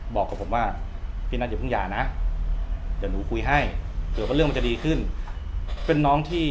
บอกกับผมว่าพี่นัทอย่าเพิ่งหย่านะเดี๋ยวหนูคุยให้เผื่อว่าเรื่องมันจะดีขึ้นเป็นน้องที่